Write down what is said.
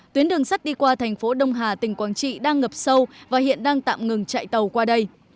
tuyến đường sắt đi qua thành phố đông hà tỉnh quảng trị đang ngập sâu và hiện đang tạm ngừng chạy tàu qua đây